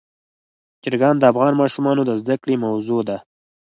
چرګان د افغان ماشومانو د زده کړې موضوع ده.